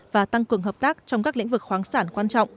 và tăng cường hợp tác trong các lĩnh vực khoáng sản quan trọng